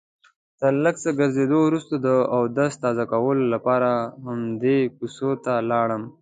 تر لږ څه ګرځېدو وروسته د اودس تازه کولو لپاره همدې کوڅې ته لاړم.